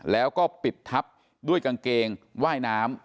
แล้วก็ปิดทับด้วยกางเกงว่ายน้ำ